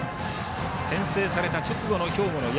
先制された直後の兵庫の社。